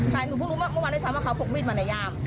ใช่หนูพูดรู้ว่าเมื่อวันได้ชั้นว่าเขาพกมิดมาในย่าม